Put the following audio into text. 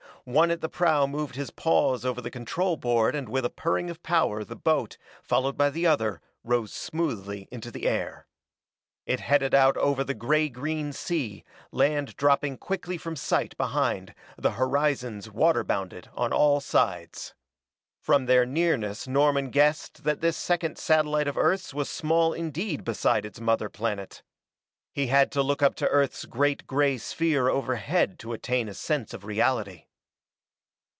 One at the prow moved his paws over the control board and with a purring of power the boat, followed by the other, rose smoothly into the air. It headed out over the gray green sea, land dropping quickly from sight behind, the horizons water bounded on all sides. From their nearness Norman guessed that this second satellite of Earth's was small indeed beside its mother planet. He had to look up to earth's great gray sphere overhead to attain a sense of reality.